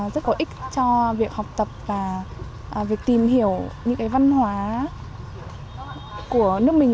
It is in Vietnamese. rất có ích cho việc học tập và việc tìm hiểu những văn hóa của nước mình